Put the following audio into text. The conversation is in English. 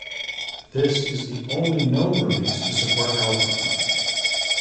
This is the only known release to support Alpha.